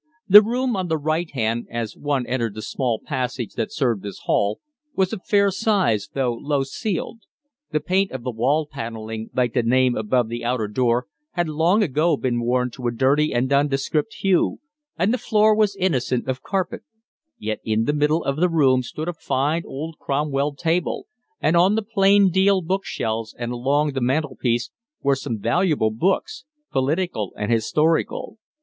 The room on the right hand, as one entered the small passage that served as hall, was of fair size, though low ceiled. The paint of the wall panelling, like the name above the outer door, had long ago been worn to a dirty and nondescript hue, and the floor was innocent of carpet; yet in the middle of the room stood a fine old Cromwell table, and on the plain deal book shelves and along the mantel piece were some valuable books political and historical.